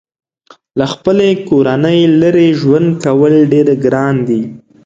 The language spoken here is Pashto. له خپلې کورنۍ لرې ژوند کول ډېر ګران دي.